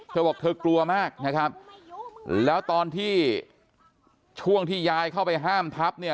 เธอบอกเธอกลัวมากนะครับแล้วตอนที่ช่วงที่ยายเข้าไปห้ามทับเนี่ย